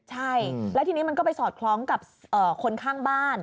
ใช่แล้วทีนี้มันก็ไปสอดคล้องกับคนข้างบ้าน